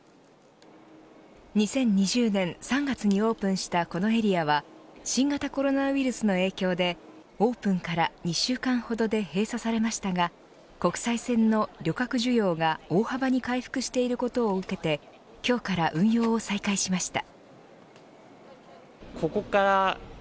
２０２０年３月にオープンしたこのエリアは新型コロナウイルスの影響でオープンから２週間ほどで閉鎖されましたが国際線の旅客需要が大幅に回復していることを受けて今日から運用を再開しました。